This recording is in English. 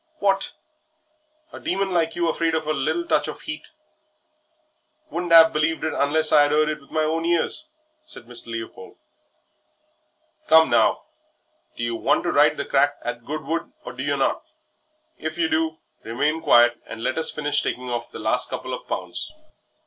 "What! a Demon like you afraid of a little touch of 'eat; wouldn't 'ave believed it unless I 'ad 'eard it with my own ears," said Mr. Leopold. "Come, now, do yer want to ride the crack at Goodwood or do yer not? If you do, remain quiet, and let us finish taking off the last couple of pounds."